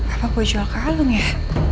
apa gue jual kalung ya